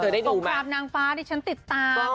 สงครามนางฟ้านี่ถึงฉันติดตาม